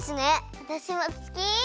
わたしも好き。